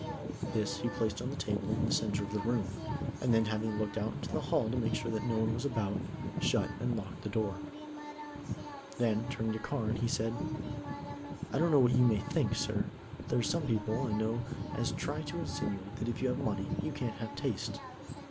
This he placed on the table in the center of the room, and then, having looked out into the hall to make sure that no one was about, shut and locked the door. Then, turning to Carne, he said: "I don't know what you may think, sir, but there are some people I know as try to insinuate that if you have money you can't have taste.